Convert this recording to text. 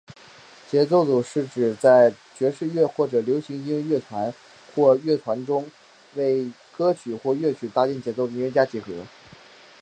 节奏组是指在爵士乐或者流行音乐乐队或乐团中为歌曲或乐曲搭建节奏的音乐家集合。